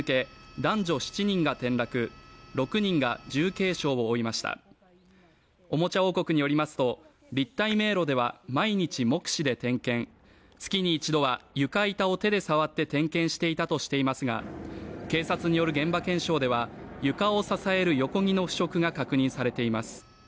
男女７人が転落６人が重軽傷を負いましたおもちゃ王国によりますと立体迷路では毎日目視で点検月に１度は床板を手で触って点検していたとしていますが警察による現場検証では床を支える横木の腐食が確認されています